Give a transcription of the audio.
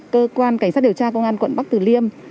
cơ quan cảnh sát điều tra công an quận bắc tử liêm